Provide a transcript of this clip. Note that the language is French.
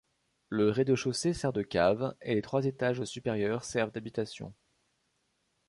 Le rez-de-chaussée sert de cave, et les trois étages supérieurs servent d'habitation.